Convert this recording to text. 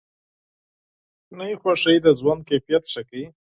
کوچني خوښۍ د ژوند کیفیت ښه کوي.